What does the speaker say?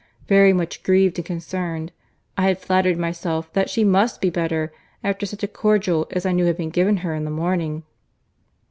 Very much grieved and concerned—I had flattered myself that she must be better after such a cordial as I knew had been given her in the morning."